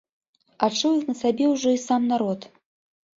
Адчуў іх на сабе ўжо і сам народ.